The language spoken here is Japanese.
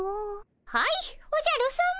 はいおじゃるさま。